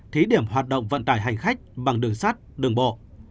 thí điểm hoạt động vận tải hành khách bằng đường sắt đường bộ